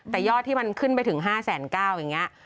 แต่ยอดที่มันขึ้นไปถึง๕๙๐๐อย่างนี้